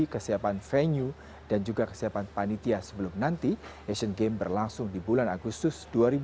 kesiapan venue dan juga kesiapan panitia sebelum nanti asian games berlangsung di bulan agustus dua ribu delapan belas